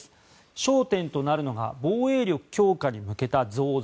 焦点となるのが防衛力強化に向けた増税。